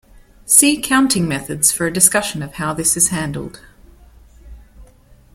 See Counting Methods for a discussion of how this is handled.